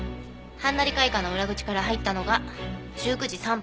はんなり会館の裏口から入ったのが１９時３分。